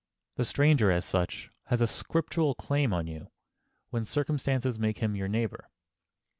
The stranger, as such, has a Scriptural claim on you, when circumstances make him your neighbor.